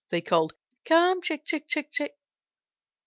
they called. "Come, Chick, Chick, Chick!"